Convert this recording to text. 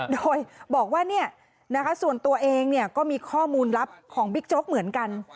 โดยบอกว่าส่วนตัวเองก็มีข้อมูลลับของบิ๊กโจ๊กเหมือนกัน